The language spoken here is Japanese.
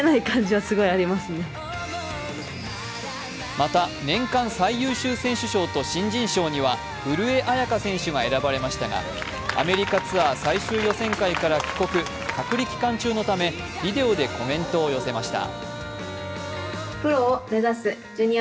また、年間最優秀選手賞と新人賞には古江彩佳選手が選ばれましたがアメリカツアー最終予選会から帰国、隔離期間中のためビデオでコメントを寄せました。